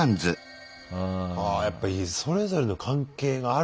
あやっぱそれぞれの関係があるねみんなね。